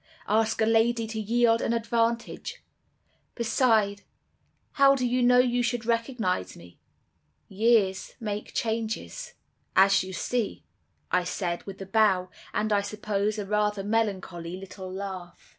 'Ask a lady to yield an advantage! Beside, how do you know you should recognize me? Years make changes.' "'As you see,' I said, with a bow, and, I suppose, a rather melancholy little laugh.